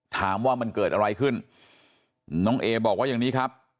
ถามว่ามันเกิดอะไรขึ้นน้องเอบอกว่าอย่างนี้ครับ